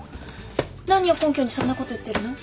何を根拠にそんなこと言ってるの？